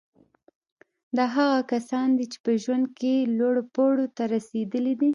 دا هغه کسان دي چې په ژوند کې لوړو پوړیو ته رسېدلي دي